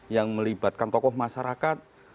yang melibatkan tokoh masyarakat